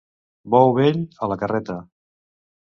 Bou vell, a la carreta.